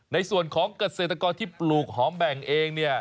ในส่วนของเกษตรกรที่ปลูกหอมแบ่งเองเนี่ย